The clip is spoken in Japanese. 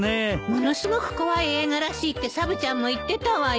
ものすごく怖い映画らしいってサブちゃんも言ってたわよ。